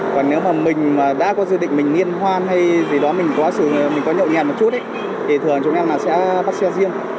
còn nếu mà mình đã có dự định mình nghiên hoan hay gì đó mình có nhộn nhạt một chút thì thường chúng em sẽ bắt xe riêng